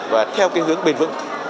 và theo hướng bền vững